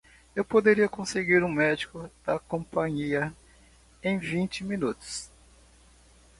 Eu poderia conseguir um médico da companhia em vinte minutos.